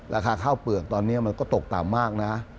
ราคาข้าวเปลือกตอนนี้มันก็ตกต่ำมากนะ